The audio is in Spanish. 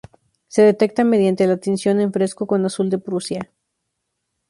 Se detecta mediante la tinción en fresco con Azul de Prusia.